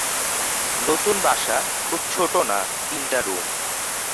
নতুন বাসা খুব ছোট না-তিনটা রুম।